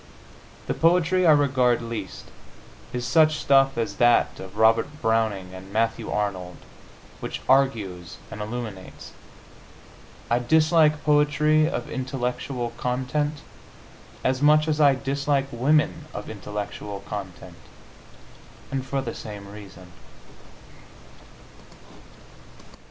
The poetry I regard least is such stuff as that of Robert Browning and Matthew Arnold, which argues and illuminates. I dislike poetry of intellectual content as much as I dislike women of intellectual content and for the same reason.